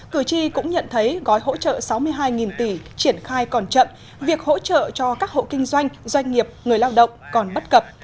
cử tri cũng nhận thấy gói hỗ trợ sáu mươi hai tỷ triển khai còn chậm việc hỗ trợ cho các hộ kinh doanh doanh nghiệp người lao động còn bất cập